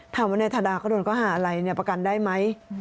ถามว่าในฐาดาก็โดนเขาหาอะไรประกันได้ไหม